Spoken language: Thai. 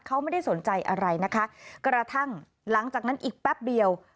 เขาไม่ได้สนใจอะไรนะคะกระทั่งหลังจากนั้นอีกแป๊บเดียว